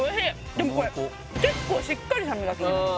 でもこれ結構しっかり酸味がきいてます